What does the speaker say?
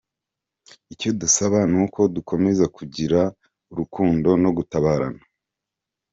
Icyo dusaba nuko dukomeza kugira urukundo no gutabarana.